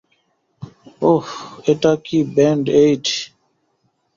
উহ, এটা কি ব্যান্ড-এইড?